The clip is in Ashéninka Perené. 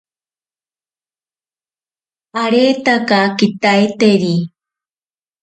Aretaka kitaiteri.